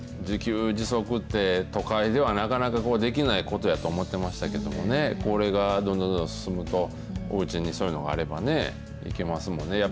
自給自足って、都会ではなかなかできないことやと思ってましたけどもね、これがどんどんどんどん進むと、おうちにそういうのがあればね、いけますもんね。